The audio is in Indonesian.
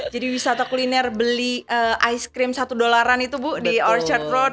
jadi wisata kuliner beli ice cream satu dollaran itu bu di orchard road